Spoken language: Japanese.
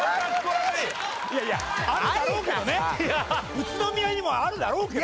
宇都宮にもあるだろうけど。